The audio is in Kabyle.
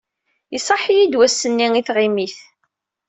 Iṣaḥ-iyi-d wass-nni i tɣimit.